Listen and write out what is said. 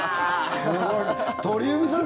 鳥海さん